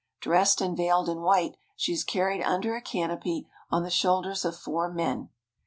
Dressed and veiled in white, she is carried under a canopy on the shoulders of four men.